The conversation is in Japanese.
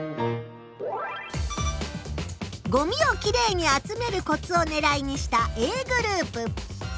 「ごみをキレイに集めるコツ」をねらいにしたＡグループ。